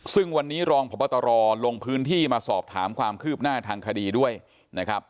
ซึ่งวันนี้รองพบตรลงพื้นที่มาสอบถามความคืบหน้าทางคดีด้วยนะครับ